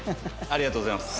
ありがとうございます。